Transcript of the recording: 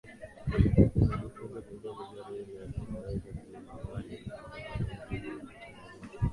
Wanajifunza kuogelea vizuri ili waweze kulima mwani katika maji mengi bila changamoto